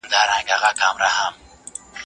هم فقر کوي، هم ئې خر لغتي وهي.